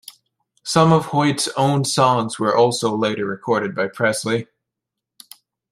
Some of Hoyt's own songs were also later recorded by Presley.